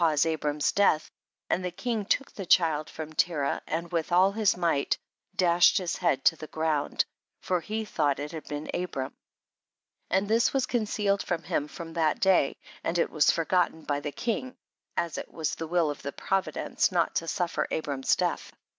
5e Abram's death, and the king took the child from Terah and with all his might dashed his head to the ground, for he thought it had been Abram; and this was concealed from him from that day, and it was forgot ten by the king, as it was the will of Providence not to suffer Abram's death.